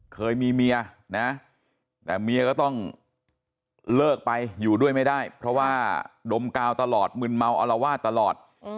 เคยมีเมียนะแต่เมียก็ต้องเลิกไปอยู่ด้วยไม่ได้เพราะว่าดมกาวตลอดมึนเมาอลวาดตลอด